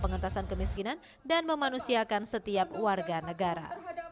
pengentasan kemiskinan dan memanusiakan setiap warga negara